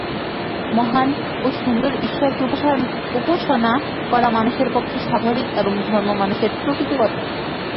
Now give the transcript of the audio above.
মহান ও সুন্দর ঈশ্বরকে উপাসনা করা মানুষের পক্ষে স্বাভাবিক, এবং ধর্ম মানুষের প্রকৃতিগত।